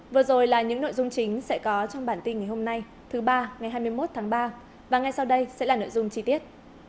vừa rồi là những nội dung chính sẽ có trong bản tin ngày hôm nay thứ ba ngày hai mươi một tháng ba và ngay sau đây sẽ là nội dung chi tiết